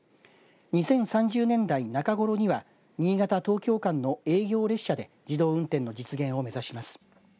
２０３０年代の中ごろには新潟、東京間の営業列車で自動運転の実現を目指します。